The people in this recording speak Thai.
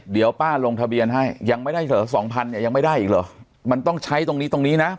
เดี๋ยวป้าลงทะเบียนให้ยังไม่ได้เหรอสองพันเนี่ยยังไม่ได้อีกเหรอมันต้องใช้ตรงนี้ตรงนี้นะ